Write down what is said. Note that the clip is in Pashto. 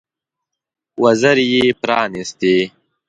وزرې یې پرانيستې.